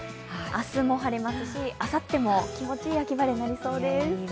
明日も晴れますし、あさっても気持ちいい秋晴れとなりそうです。